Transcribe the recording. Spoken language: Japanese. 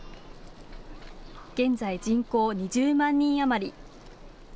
現在、人口２０万人余り。